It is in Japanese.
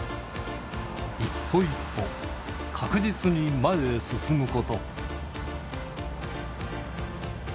一歩一歩、確実に前へ進むこと。